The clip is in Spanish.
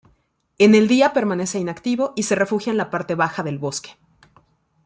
En el día permanece inactivo y se refugia en la parte baja del bosque.